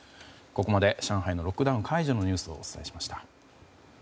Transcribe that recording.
ここまで上海のロックダウン解除のニュースをお伝えしました。